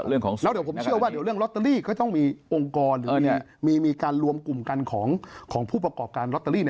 แล้วเดี๋ยวผมเชื่อว่าเดี๋ยวเรื่องลอตเตอรี่ก็ต้องมีองค์กรมีการรวมกลุ่มกันของผู้ประกอบการลอตเตอรี่